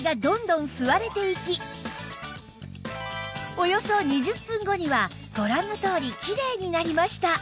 およそ２０分後にはご覧のとおりきれいになりました